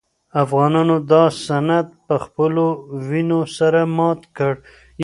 افغانانو دا سند په خپلو وینو سره مات کړ.